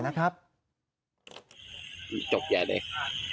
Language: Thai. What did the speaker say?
บอกเขาไม่ได้จริง